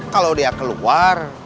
kalau dia keluar